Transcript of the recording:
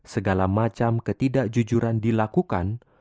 segala macam ketidakjujuran dilakukan